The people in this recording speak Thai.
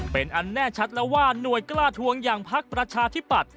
เป็นอันแน่ชัดแล้วว่าหน่วยกล้าทวงอย่างพักประชาธิปัตย